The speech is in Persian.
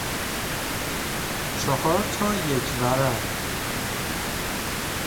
چهار تا یک ورق